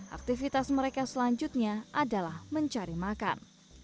aktivitas mereka selanjutnya adalah mencari makan